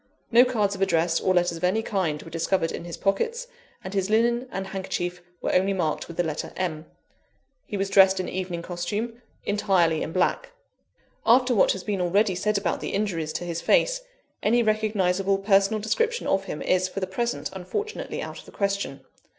No cards of address or letters of any kind were discovered in his pockets, and his linen and handkerchief were only marked with the letter M. He was dressed in evening costume entirely in black. After what has been already said about the injuries to his face, any recognisable personal description of him is, for the present, unfortunately out of the question.